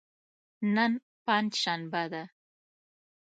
نن پنج شنبه ده.